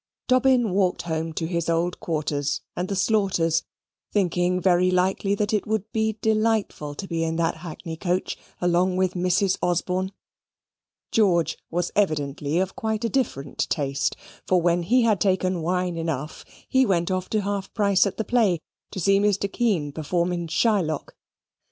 Dobbin walked home to his old quarters and the Slaughters', thinking very likely that it would be delightful to be in that hackney coach, along with Mrs. Osborne. George was evidently of quite a different taste; for when he had taken wine enough, he went off to half price at the play, to see Mr. Kean perform in Shylock.